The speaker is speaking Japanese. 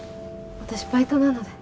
私バイトなので。